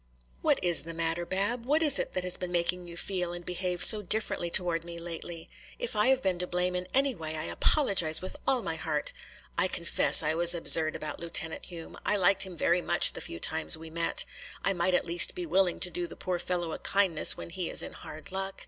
"What is the matter, Bab? What is it that has been making you feel and behave so differently toward me lately? If I have been to blame in any way I apologize with all my heart. I confess I was absurd about Lieutenant Hume. I liked him very much the few times we met. I might at least be willing to do the poor fellow a kindness when he is in hard luck.